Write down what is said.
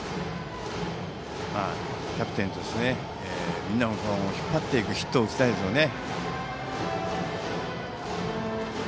キャプテンとしてみんなを引っ張っていくヒットを打ちたいですね。